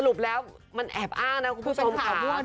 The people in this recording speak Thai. ปแล้วมันแอบอ้างนะคุณผู้ชมค่ะ